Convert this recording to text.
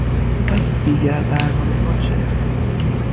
پس دیگر برنامهها چه؟